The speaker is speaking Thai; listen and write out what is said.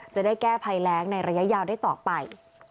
จะได้แก้ภัยแรงในระยะยาวได้ต่อไป